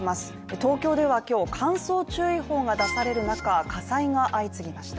東京では今日乾燥注意報が出される中火災が相次ぎました。